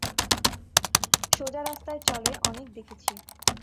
সোজা রাস্তায় চলে অনেক দেখেছি।